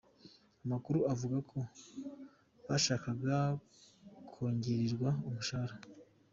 Amakuru avuga ko bashakaga kongererwa umushahara.